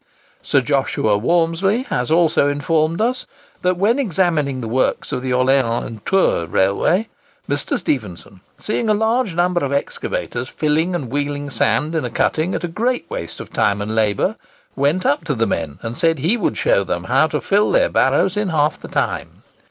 Sir Joshua Walmsley has also informed us, that, when examining the works of the Orleans and Tours Railway, Mr. Stephenson, seeing a large number of excavators filling and wheeling sand in a cutting, at a great waste of time and labour, went up to the men and said he would show them how to fill their barrows in half the time.